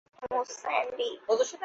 থামো, স্যান্ডি।